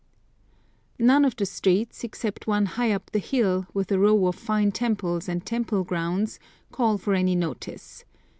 None of the streets, except one high up the hill, with a row of fine temples and temple grounds, call for any notice.